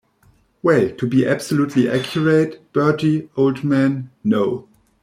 Well, to be absolutely accurate, Bertie, old man, no.